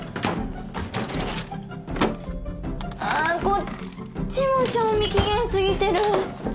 あーこっちも賞味期限過ぎてる。